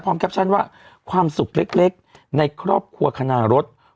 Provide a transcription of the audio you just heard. พร้อมแคปชั่นว่าความสุขเล็กเล็กในครอบครัวขนาดรถ